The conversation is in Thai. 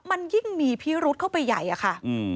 มันยิ่งมีพิรุษเข้าไปใหญ่อะค่ะ